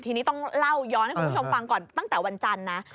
ทีนี้ต้องเล่าย้อนให้คุณผู้ชมฟังก่อนตั้งแต่วันจันทร์นะ